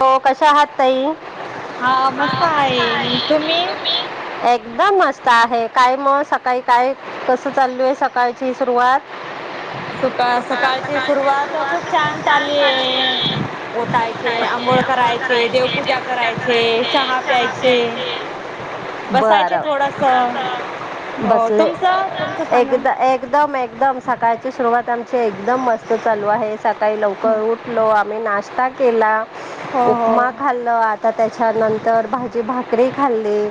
हो कशा आहात ताई? हा मस्त आहे मी तुम्ही एकदम मस्त आहे काय मग सकाळी काय कस चाललू आहे सकाळची सुरुवात सुका सकाळची सुरुवात खूप छान चाली आहे ओटायचे. कांघोळ करायचे देवपूजा करायचे चहा प्यायचे बसायचे बरं थोडस थोडासा हो बसले तुमच तुमचं सांगा एकदा मचे एकदम मस्त चालू आहे. सकाळी हो लवकर उठलो आम्ही नाशत नस्ता केला. हो उपमा खाल्लं आज तरता त्याच्यानंतर भाजी भाकरीे खाल्ले,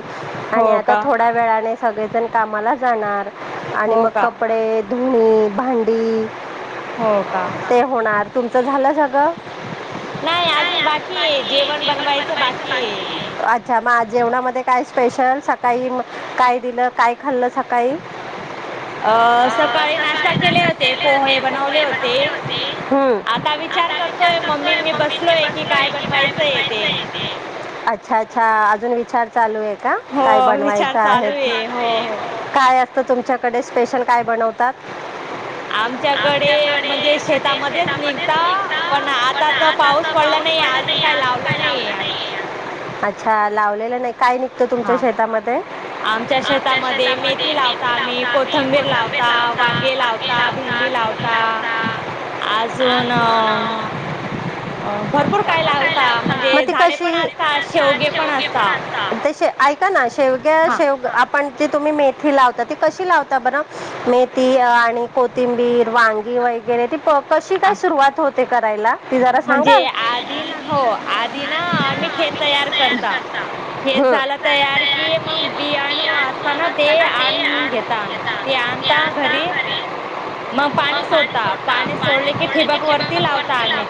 आणि हो आता का थोड्या वेळाने सगळेजण कामाला जाणार. आणि हो मग का कपडे धुणे, भांडी, हो का ते होणार तुमचं झालं सगळं नाही अजून बाकी जेवण बनवायचं बाकी अ्छा मग जेवणामध्ये काय स्पेशल सकाळी काय दिलं काय खाल्ल सकाळी अ सकाळी नाश्ता केले होते पोहे बनवले होते आता विचार करतोय मम्मी मी बस लय की काय बनवायचंय ते अच्छा अच्छा अजून विचार चालू आहे. हो का बनवायच विचार चालू आहे हो हो. काय असत तुमच्याकडे स्पेशल काय बन हतात आमच्याकडे म्हणजे शेतामध्येच निघता पण आता तर पाऊस पडलं नाहीे अजून काही लावलं नाहीे आम्ही.. अच्छा लावलेला नाही काय निघतं तुमच्या हा शेतामध्ये आमच्या शेतामध्ये मेथी लावता आम्ही कोथंबीर लावता वांगे लावता भेंडी लावता अजून अ अ भरपूर काय लावता लागतात मग म्हणजे ती झाडे कशी पण असतात शेवगे पण असतात. दश [unintelligible] ऐका ना शेवग्या शेव आपण जे तुम्ही मेथी लावता त कशी लावता बर मेथी आणि कोथिंबीर वांगी वगैरे ती कशी काय सुरुवात हो. ते करायला? ते जरा म्हणजे सांगाल आधी ना हो आधी ना आम्ही खेत तयार करता खेत झाला तयार की मग बियाणू असताना ते आणून घेता आम्ही ते आणता घरी मग पाणी सोडता पाणी सोडले की ठिबक वरती लावता आम्ही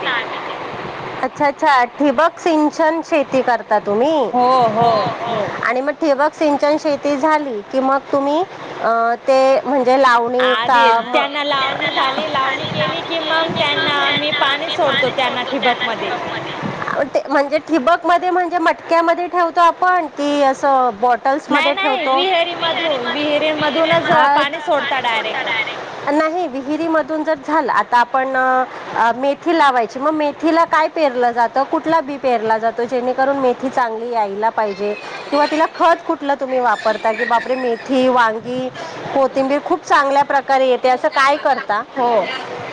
अच्छा अच्छा ठिबक सिंचन शेती करत ता तुम्ही हो हो हो. आणि मग ठिबक सिंचन शेती झाली की मग तुम्ही ते आधी त्यांना लावणी झाली लावणी केली की मग त्यांना आम्ही पाणी सोडतो त्यांना ठिबक मध्ये ते म्हणजे ठिबक मध्ये म्हणजे मटक्यामध्ये ठेवतो आपण की असं बॉटल्स मध्ये नाही नाही ठेवतो विहेरी मधून विहिरी विहिरीमध्ये मधूनच विहिरीमध्ये आज- पाणी असं सोडत डायरेक्ट झाल आता आपण मेथी लावायची मग मेथीला काय पेरलं जातं कुठला बी पेरला जातो जेणेकरून मेथी चांगली यायला पाहिजे? किंवा तिला खत कुठलं तुम्ही वापरता कि बापर मेथी, वांगी, कोथिंबीर खूप चांगल्या प्रकारे येते. असं काय करता? हो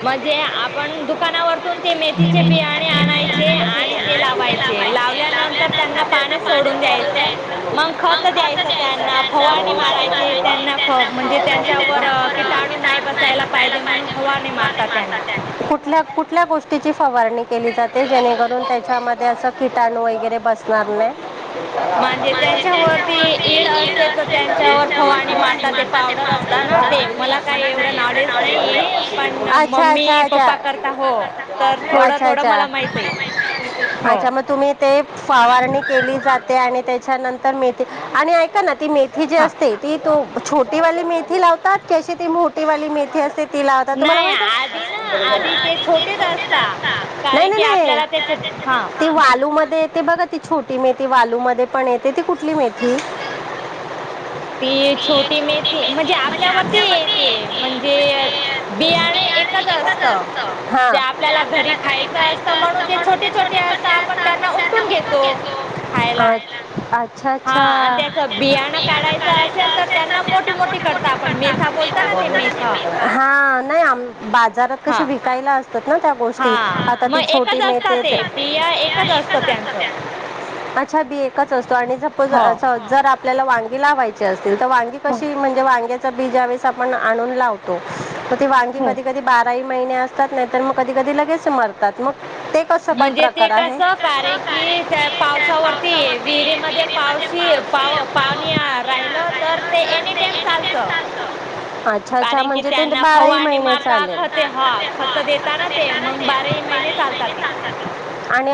म्हणजे आपण दुकानावरतून ते मेथीचे बियाणे आणायचे आणि ते लावायचे लावल्यानंतर त्यांना पाणी सोडून द्यायचं मग खत द्यायचं, त्यांना फवारणी मारायची. त्यांना म्हणजे त्यांच्यावर किटाणू नाही बसायला पाहिजे म्हणून फवारणी मारत त्यांना फवारणी केली जाते जेणेकरून त्याच्यामध्ये असं किटाणू वगैरे बस बसणार नाही? म्हणजे त्यांच्यावरती ईड असते तर त्यांच्यावर फवारणी मारतात ते पावडर असतात ना ते मला काही एवढं नॉलेज नाही आहे पण अच्छा मम्मी अच्छा पप्पा करता हो तर थोडं अच्छा थोडं मला माहित आहे हो अच्छा मग तुम्ही ते फावारणि केली जाते आणि त्याच्यानंतर मेथी आणि ऐका ना ती मेथी जी हा असते ती तो छोटीवाली मेथी लावतात कशी ती मोठीवाली मेथी अस ति लावता? तुम्हाला नाही माहित आहे. आधी ना आधी ते छोटेच असता नाही कारण की नाही आपल्याला त्याचे नाही हा ती वालू मध्ये ते बघा ती छो ती मेथी वालू मध्ये पण येते ती कुठली मेथी? ती छोटी मेथी म्हणजे आपल्यावरती येते म्हणजे बियाणे एकच असत ते आपल्याला घरी खायच म्हणून ते छोटी छोटे असत आपण त्यांना उपटून घेतो खायला. अच्छा अच्छा हा त्याच आणि त्याचं बियाणं बियाण काढायचं असेल तर मोठी त्यांना मोठी मोठे करता मोठे आपण मेथा काढतो बोलता ना ते मेथा आपण [unintelligible] नाही बाजारात कशी हा विकायला असते ना त्या गोष्टी हा आ मग एकच असतात ते बिया एकच असत असतं त्यांचं त्याचं अच्छा बी एकच असतो. आणि सपोज हो जर आप आपल्याला वांगी लावायची असते. तर वांगी हो कशी म्हणजे वांग्या- कधी ज्यावेळेस आपण आणून लावतो ती वांगी हो कधी कधी बाराई- महिने असतात नाही तर मग कधीध लगेच मार- हात्मक [unintelligible] म्हणजे ते कस कारण कसं की त्या पावसावरती विहिरीमध्ये पावशी पावसी पाव पाणी राहिलं तर ते एनी टाईम चालत- टाइम चालतं अच्छा अच्छा कारण की म्हणजे ते त्यांना बाराही फवारणी महिने मारता चालेल खते आता हा असं ते खत देताना असं ते मग बारा- मग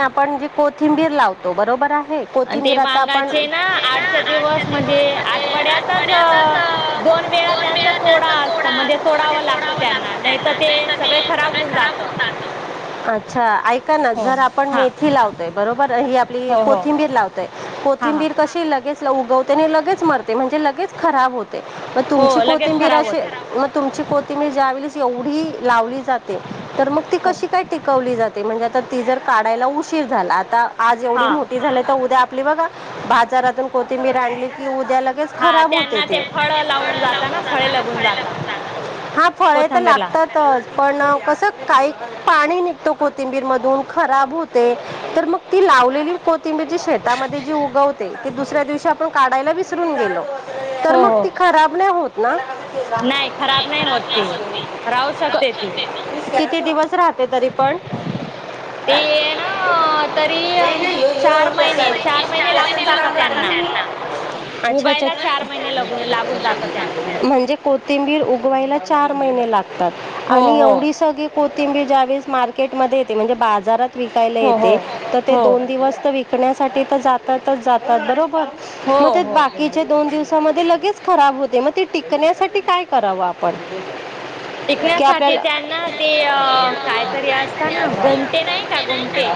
आपण जे कोथिंबीर [inaudible] लावतो बरोबर आहे- आणि ते कोथिंबीर आता आपण वांगाचे ना ते आठच्या आठच्या दिवस म्हणजे आठवड्यातच अ, दोन वेळा त्यांचा तोडा असत म्हणजे तोडावं लागतं त्यांना नाहीतर ते सगळे खराब होऊन जात- अच्छा ऐका ना जर आपण हा मेथी लावतोय बरोबर- ही आपली हो हो कोथिंबीर लावतय हा हा कोथिंबीर कशी लगेच- उगवते आणि लगेच मरते म्हणजे लगेच खराब होते. मग तुमची हो लगेच कोथिंबीर खराब अशी होते. मग तुमची कोथंबीर- तुम्ही ज्यावेेळेस एवढी लावली जाते तर मग ती हो. कशी- उगवली जाते म्हणजे आता ती जर काढायला उशीर झाला आता- आज एवढी हा. मोठी झाली तर उद्या आपली बघा बाजारातून- तेी मी रा आणली की [inaudible] च ख हा हो त्यांना ते फळ लावून जाता ना फळे लागून जाता फळेत कोथंबीरला पण [unintelligible] हम्- पाणी निघतो कोथिंबीर मधून खराब होते तर मग ती लावलेली कोथिंबीर जी शेतामध्ये जी उगवते ती दुसऱ्या दिवशी आपण काढायला विसरून गेलो. तर हो मग हो ती खराब नाही होत- ना नाही खराब नाही खराब होत नाही ती होत राहू शकते ती शकते. किती दिवस राहते. तरी पण ते ना तरी चार महिने चार महिने लागून जातात अच्छा अच्छ उगायला चार महिने लागून लागून जातात त्यांना म्हणजे कोथिंबीर उगवायला चार महिने लातते. हो आणि हो एवढी सगळी कों तिम जय [inaudible] मार्केटमध्ये येते म्हणजे बाजारात. विकायला हो येते हो तर ते हो दोन दिवस तरी शिकण्यासाठी तर जातातच जातात बरोबर. मग हो ते हो बाकीच्या दोन दिवसामध्ये लगेच खराब होते. ते मग ते टिकण्यासाठी काय करावं आपण. टिकण्यासाठी त्यांना ते अ हाहाहा कायतरी असत काहीतरी ना असतं गोमटे नाही का गोमटे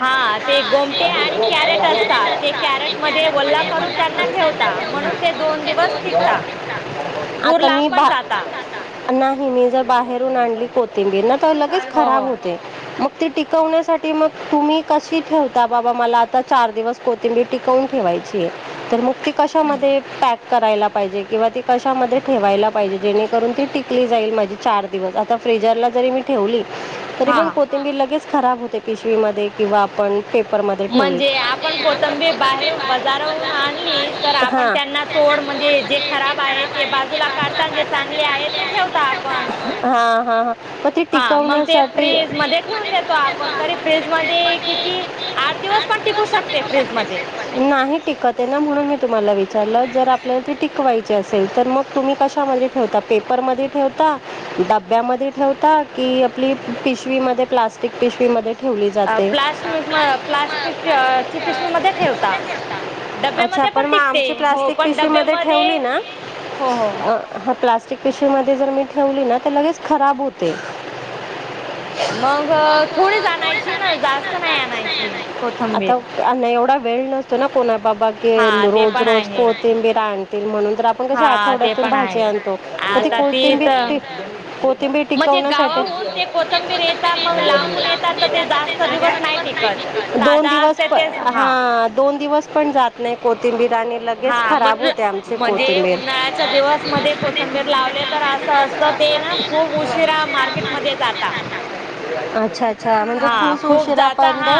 हा ते गोमटे आणि ना कॅरेट असतात ते असतात कॅरेट वल्ला मध्ये करून ठेवतात त्यांना ठेवता म्हणून ते दोन दिवस टिकता टिकतात दूर आता मी लांब पण बा जाता. नाही मी जर बाहेरून आणली. कोथिंबीर ना लगेच हो खराब हो होते. टिकवण्यासाठी मग तुम्ही कशी ठेवता बाबा मला आता चार दिवस कोथिंबीर टिकवून ठेवायची आहे तर मग.. ते कशामध्येॅक करायला पाहिजे किंवा ती कशामध्ये ठेवायला पाहिजे जेणेकरून ती टिकली जाईल माझे चार दिवस. तर फ्रीजरला जरी मी ठेवली. तरी हा पण कोथिंबीर लगेच. खराब होते पिशवीमध्ये किंवा आपण. म्हणजे आपण कोथिंबीर बाहेर बाजारहून आणली तर आपण त्यांना तोड म्हणजे जे खराब आहे ते बाजूला काढता जे चांगले आहे ते ठेवता आपण. हा हा [unintelligible] हा मग ते फ्रीज मध्ये ठेऊून देतो आपण तरी फ्रीज मध्ये किती आठ दिवस पण टिकू शकते फ्रीज मध्ये मग तुम्ही कशा ठे पेपर म ठेव डब्यामध्ये ठेवता की आपली पिशवीमध्ये प्लास्टिक पिशवीमध्ये. ठेवली अ जाते प्लास्टमिक प्लास्टिक ची पिश मध्ये प्लास्टिक ठेवता मध्ये अच्छा डब्यामध्ये पण मग टिकते आमची हो प्लास्टिक पण पिशवीमध्ये डबब्यामध्ये ठेवली ना हो हो पिशीमध्ये जर मी ठेवली ना तर लगेच खराब होते. मग थोडी थोडीच आणायची ना जास्त नाही आणायची आणायची कोथंबीर आता आणि एवढा वेळ नसतो ना कोणा बाबा के हा ते रोज पण रोज आहे कोथिंबीर आणतील म्हणून तर आपण क हा ते आठवड्यातून पण भाजी आहे आणतो तर ती आता तर कोथिंबीर कोथिंबीर म्हणजे टिकवण्यासाठी गावाहून ते कोथंबीर येतात मग लांबून येतात तर ते जास्त दिवस नाही टिकत दोन ताजा दिवस असते तेच हा दोन दिवस पण जात नाही कोथिंबीर. आणि लगेच हा खराब म्हण होते आमची म्हणजे कोथिंबीर उन्हाळ्याच्या दिवस मध्ये दिवसमध्ये कोथंबीर कोथिंबीर लावले, तर लावली असं असतं ते असं ना खूप उशी शिरा उशिरा मार्केटमध्ये जाता. जातात अच्छा अ हा खूप जात हा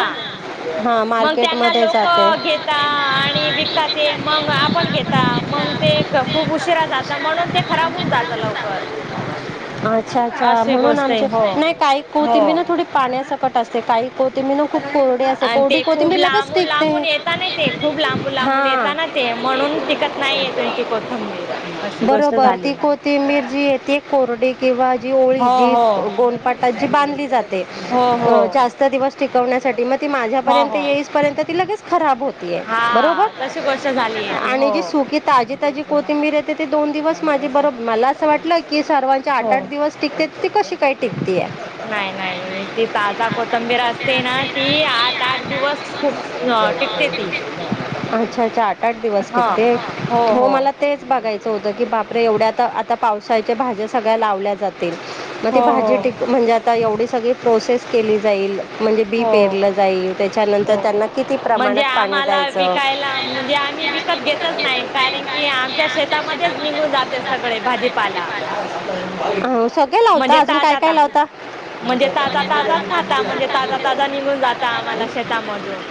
हां मग त्यांना मार्केटमध्ये लोक जाते घेता आणि विकता ते मग आपण घेता मग ते खूप उशिरा जात म्हणून ते खराब होऊन जात लवकर. अच्छा अशी म्हणून गोष्ट आहे आमची हो नाही काही कोथिंबीर हो थोडी पान्या सकट असते काही कोथांबीर ना खूप कोरडी असते आणि कोरडी ते खूप कोथिंबीर लगेच लांबून टिकते लांबून येता नाही ते खूप लांबून लांबून हां येताना ते म्हणून टिकत नाहीये तुमची कोथंबीर अशी गोष्ट बरोबर ती झालीये. कोथिंबीर पोळी जी गोनपाटात ती बांधली जात ते हो हो जास्त दिवस टिकवण्यासाठी म ती हो माझ्यापर्यंत हो येईस पर्यंत ती लगेच खराब होत बरोबर हा तशी गोष्ट झालीय आणि हो ती सुकी ताजी ताजी कोथिंबीर येते ते दोन दिवस माझे बरोब मला असं वाटलंय कि सर्वांचे आठ हो आठ दिवस त्यात ती कशी काय तीक नाही नाही ती ताजा साधा कोथिंबीर कोथंबीर असते ना ती आठ आठ दिवस खूप टिकते ती. अच्छा चार आठ दिवस हा टीकते हो मला तेच बघायचं असं होतं की बापरे एवढ्या तर आता पावसाळच्या भाज्या सगळ्या लावल्या जाता टिकतील मग ते हो भाजी हो टी म्हणजे आता एवढीच सगळी प्रोसेस केली जाईल. म्हणजे बी हो पेरलं जाईल त्याच्यानंतर हो त्यांना किती म्हणजे प्रमाणात पाणी आम्हाला द्यायचं विकायला म्हणजे आम्ही ते विकत घेतच नाही, कारण की आमच्या शेतामध्येच निघून जाते सगळे भाजीपाला. अ. सगळे लावता म्हणजे अजून काय ताजा काय ता लावता म्हणजे ताजा ताजाच खाता म्हणजे ताजा ताजा निघून जाता आम्हाला शेतामधून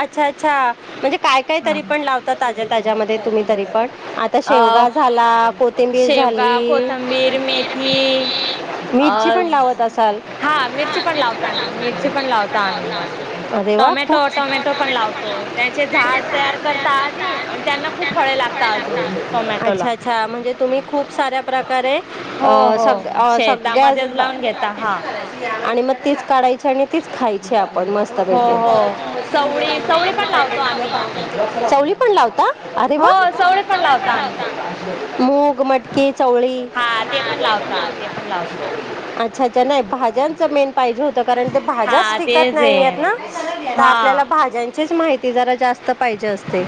अच्छा अच्छा म्हणजे काय काय हा तरी पण लावतात. ताज्या ताज्या मध्ये तुम्ही तरी पण आता अ शेवगा झाला कोथिंबीर झाली. कि मेथी मिरची पण आज लावत असाल हा मिरची पण लावता ना मिरची पण लावतो आम्ही टोमॅटो टोमॅटो पण लावतो त्यांचे झाड तयार करतो आधी आणि त्यांना खूप फळे लागता अजून टोमॅटोला अच्छा अच्छा म्ह म्हणजे तुम्ही खूप साऱ्या प्रकारे अ, हो हो. सग अ सगळ्याच शेतामध्येच ब लावून घेता हा आणि मग तेच काढाय चने तीच खायची आपण मस्त हो पैकी. हो चवळी चवळी पण लावतो आम्ही [unintelligible] चवळी पण लावता? अरे वा हो चवळी पण लावतो आम्ही. मूग मटकी चवळी हा ते पण लावता ते पण लावता. ह्याच्या नाही भाज्यांचं मेन पाहिजे होत. कारण ते भाज्याच हा टिकत तेच नाही आहे येत ना, त हा आपल्याला भाज्यांची तीच माहिती जरा जास्त पाहिजे असते.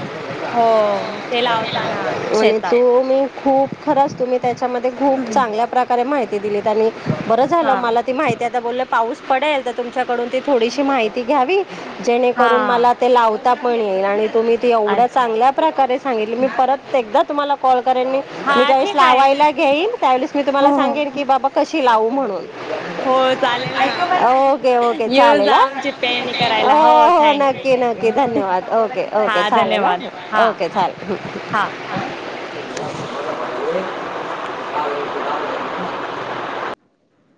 हो ते लावताना आम्ही वणि शेतात तू अ मी [unintelligible] खूप खरंच तुम्ही. त्याच्यामध्ये खूप चांगल्या माहिती दिलीत आणि बरं झालं हा मला ती माहित्यात. आ बोललं पाऊस पडेल तर तुमच्याकडून ती थोडीशी माहिती घ्यावी, जेणेकरून हा मला ते लावूत त्या पण येईल आणि तुम्ही ती एवढ्या अच्छा चांगल्या प्रकारे सांगितली मी परत एकदा तुम्हाला कॉल करेन मी हा ज्या वेळेस ठीक आहे लावायला घेईन त्यावेळेस तूला हो हो सांगेन की बाबा कशी लावू म्हणून. हो चालेल ना ओके ओके येऊन चालेल जा अ आमची पेरणी करायला हो हो थँक्यू नक्की थँक्यू नक्की धन्यवाद ओके ओके हा चालेल धन्यवाद हा अ ओके चालेल. हा [inaudible]